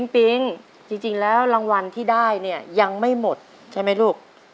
ปิ๊งจริงแล้วรางวัลที่ได้เนี่ยยังไม่หมดใช่ไหมลูก